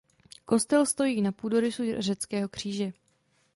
Kostel stojí na půdorysu řeckého kříže.